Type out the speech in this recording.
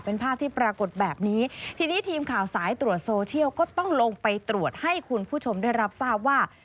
เป็นภาพที่ปรากฏแบบนี้ทีนี้ทีมข่าวสายตรวจโซเชียลก็ต้องลงไปตรวจให้คุณผู้ชมได้รับทราบว่า